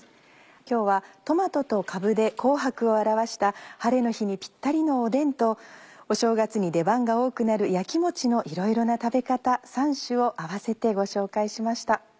今日はトマトとかぶで紅白を表した晴れの日にピッタリのおでんとお正月に出番が多くなる焼きもちのいろいろな食べ方３種を併せてご紹介しました。